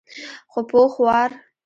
خو پوخ وار.